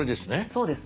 そうです。